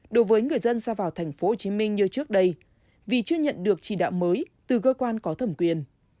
đối với người dân ra vào thành phố hồ chí minh như trước đây vì chưa nhận được chỉ đạo mới từ cơ quan có thẩm quyền